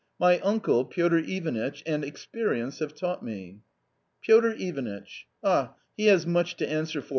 My uncle, Piotr Ivanitch, and experience have taught me." " Piotr Ivanitch 1 ah, he has much to answer for